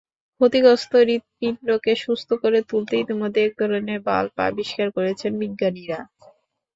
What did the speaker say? ক্ষতিগ্রস্ত হৃৎপিণ্ডকে সুস্থ করে তুলতে ইতিমধ্যেই একধরনের ভাল্ব আবিষ্কার করেছেন বিজ্ঞানীরা।